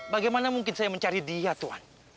bagaimana mungkin saya mencari dia tuhan